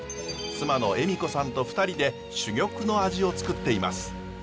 妻の栄美子さんと２人で珠玉の味をつくっています。